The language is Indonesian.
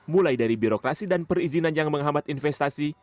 mulai dari birokrasi dan perizinan yang menghambat investasi